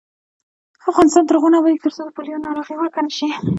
افغانستان تر هغو نه ابادیږي، ترڅو د پولیو ناروغي ورکه نشي.